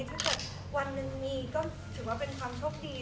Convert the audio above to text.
ถ้าเกิดวันหนึ่งมีก็ถือว่าเป็นความโชคดี